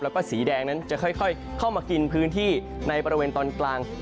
แล้วก็สีแดงนั้นจะค่อยเข้ามากินพื้นที่ในบริเวณตอนกลาง